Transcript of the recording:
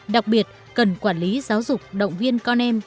đặc biệt cần quản lý giáo dục động viên con em